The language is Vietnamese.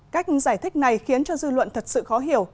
cách giải thích này khiến cho dư luận thật sự khó hiểu